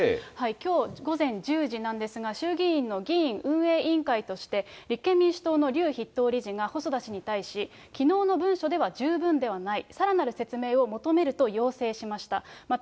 きょう午前１０時なんですが、衆議院の議院運営委員会として、立憲民主党の筆頭理事が細田氏に対し、きのうの文書では十分ではない。